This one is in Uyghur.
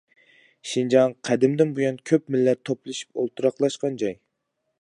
شىنجاڭ قەدىمدىن بۇيان كۆپ مىللەت توپلىشىپ ئولتۇراقلاشقان جاي.